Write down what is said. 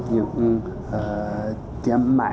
những tiến mại